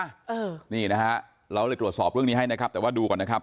เออนี่นะฮะเราเลยตรวจสอบเรื่องนี้ให้นะครับแต่ว่าดูก่อนนะครับ